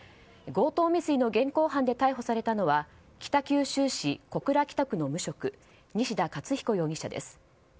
強盗未遂の現行犯で逮捕されたのは北九州市小倉北区の無職西田克彦容疑者です。